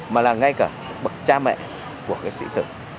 mà là ngay cả bậc cha mẹ của cái sĩ tử